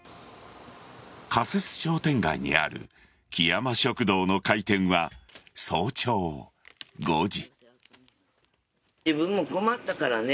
仮設商店街にあるきやま食堂の開店は早朝５時。